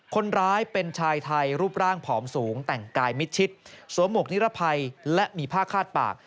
คนร้ายเป็นชายไทยรูปร่างผอมสูงแต่งกายมิดชิดสวมหมวกนิรภัยและมีผ้าคาดปาก